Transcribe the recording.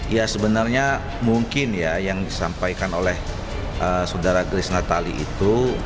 ya sebenarnya mungkin ya yang disampaikan oleh saudara grace natali itu